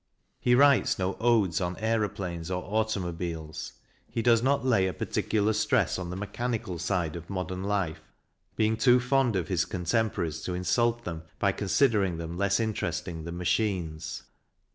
He writes no odes on aeroplanes or automobiles. He does not lay a particular stress on the mechanical side of modern life, being too fond of his contemporaries to insult them by considering them less interesting than machines.